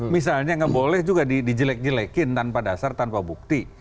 misalnya nggak boleh juga dijelek jelekin tanpa dasar tanpa bukti